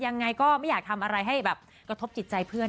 อย่างไรก็ไม่อยากทำอะไรให้กระทบจิตใจ